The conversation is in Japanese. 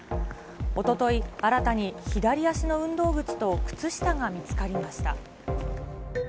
おととい、新たに左足の運動靴と靴下が見つかりました。